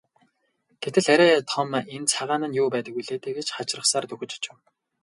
Гэтэл арай том энэ цагаан нь юу байдаг билээ дээ гэж хачирхсаар дөхөж очив.